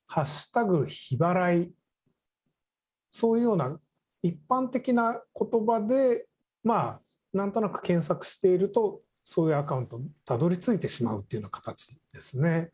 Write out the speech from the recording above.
日払い、そういうような、一般的なことばでなんとなく検索していると、そういうアカウントにたどりついてしまうというような形ですね。